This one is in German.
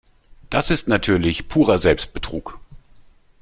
Das ist natürlich purer Selbstbetrug.